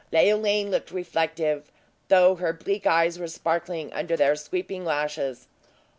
Leoline looked reflective; though her bleak eyes were sparkling under their sweeping lashes.